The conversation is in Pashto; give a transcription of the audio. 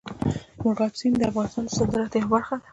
مورغاب سیند د افغانستان د صادراتو یوه برخه ده.